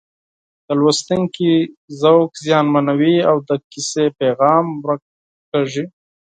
د لوستونکي ذوق زیانمنوي او د کیسې پیغام ورک کېږي